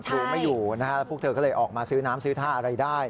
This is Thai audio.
ดูไม่อยู่นะฮะแล้วพวกเธอก็เลยออกมาซื้อน้ำซื้อท่าอะไรได้